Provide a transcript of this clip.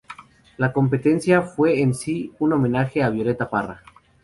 La competencia fue en sí, un homenaje a Violeta Parra.